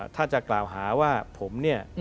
ถ้าจะกล่าวหาว่าผมเนี่ย